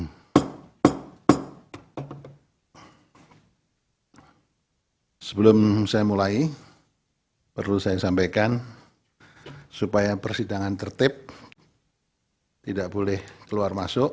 nah sebelum saya mulai perlu saya sampaikan supaya persidangan tertib tidak boleh keluar masuk